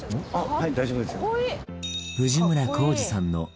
はい大丈夫です